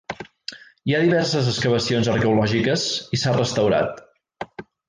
Hi ha diverses excavacions arqueològiques i s'ha restaurat.